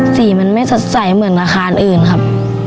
สีมันไม่สดใสเหมือนอาคารอื่นครับ